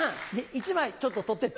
１枚ちょっと取ってって。